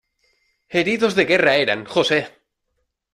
¡Heridos de guerra eran, José!